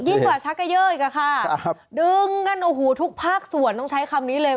ยิ่งกว่าชักก็เยอะอีกค่ะดึงกันทุกภาคส่วนต้องใช้คำนี้เลย